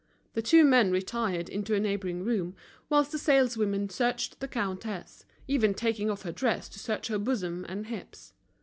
The two men retired into a neighboring room, whilst the saleswomen searched the countess, even taking off her dress to search her bosom and hips.